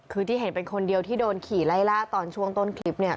คือที่เห็นเป็นคนเดียวที่โดนขี่ไล่ล่าตอนช่วงต้นคลิปเนี่ย